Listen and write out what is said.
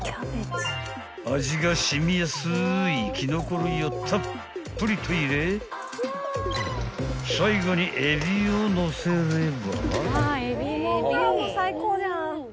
［味が染みやすいキノコ類をたっぷりと入れ最後にエビをのせれば］